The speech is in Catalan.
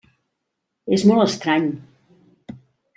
És molt estrany.